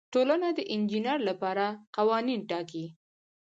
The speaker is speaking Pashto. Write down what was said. ټولنه د انجینر لپاره قوانین ټاکي.